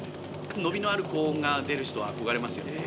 伸びのある高音が出る人は憧れますよ。